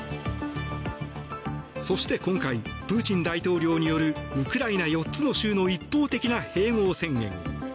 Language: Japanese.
そして今回プーチン大統領によるウクライナ４つの州の一方的な併合宣言。